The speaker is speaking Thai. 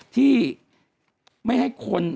ที่ไม่ให้คน